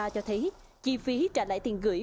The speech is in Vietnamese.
cho thấy chi phí trả lại tiền gửi